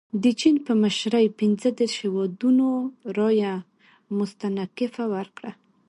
د چین په مشرۍ پنځه دېرش هیوادونو رایه مستنکفه ورکړه.